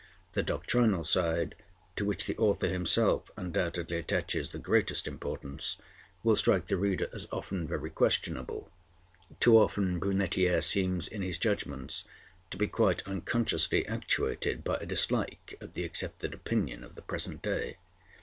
The doctrinal side, to which the author himself undoubtedly attaches the greatest importance, will strike the reader as often very questionable. Too often Brunetière seems in his judgments to be quite unconsciously actuated by a dislike of the accepted opinion of the present day.